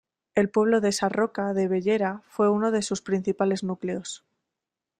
El pueblo de Sarroca de Bellera fue uno de sus principales núcleos.